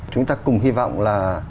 chúng ta cùng hy vọng là